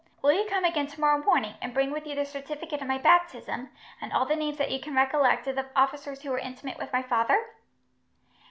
Will you come again tomorrow morning, and bring with you the certificate of my baptism, and all the names that you can recollect of the officers who were intimate with my father?"